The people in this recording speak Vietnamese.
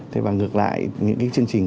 thế và ngược lại những cái chương trình